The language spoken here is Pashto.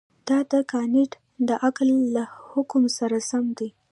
دا د کانټ د عقل له حکم سره سم دی.